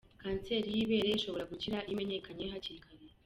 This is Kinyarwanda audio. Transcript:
Kanseri y’ibere ishbora gukira iyo imenyekanye hakiri kare.